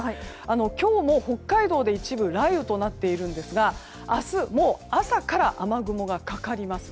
今日も北海道で一部雷雨となっているんですが明日、もう朝から雨雲がかかります。